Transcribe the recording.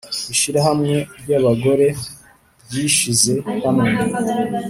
ishirahamwe ry’ abagore ryishize hamwe